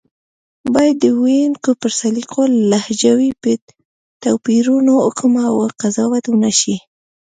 بايد د ویونکو پر سلیقو او لهجوي توپیرونو حکم او قضاوت ونشي